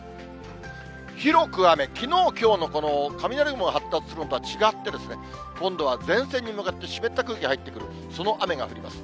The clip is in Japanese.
広く雨、きのうきょうのこの雷雲の発達するのとは違ってですね、今度は前線に向かって湿った空気入ってくる、その雨が降ります。